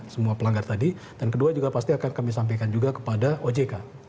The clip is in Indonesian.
semua pelanggar tadi dan kedua juga pasti akan kami sampaikan juga kepada ojk